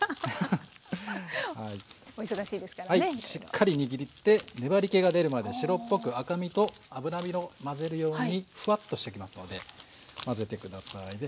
はいしっかり握って粘りけが出るまで白っぽく赤身と脂身を混ぜるようにふわっとしてきますので混ぜて下さい。